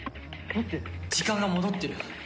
時間が戻ってる。